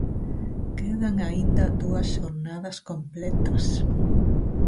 Quedan aínda dúas xornadas completas.